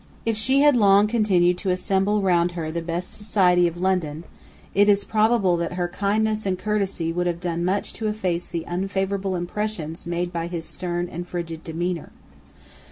If she had long continued to assemble round her the best society of London, it is probable that her kindness and courtesy would have done much to efface the unfavourable impression made by his stern and frigid demeanour.